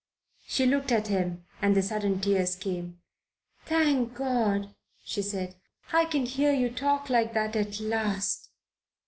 She looked at him and the sudden tears came. "Thank God," she said, "I can hear you talk like that at last."